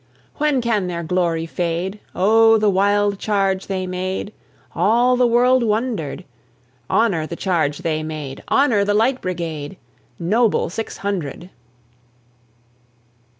When can their glory fade? Oh, the wild charge they made! All the world wondered. Honour the charge they made! Honour the Light Brigade Noble six hundred!